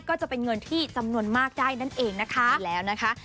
ก็จะเป็นเงินที่จำนวนมากได้นั่นเองนะคะ